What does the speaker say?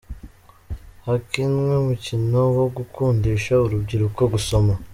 Hakinwe umukino wo gukundisha urubyiruko gusoma.